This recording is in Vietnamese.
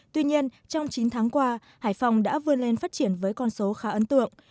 tuy nhiên trong chín tháng qua hải phòng đã vươn lên phát triển với con số khá ấn tượng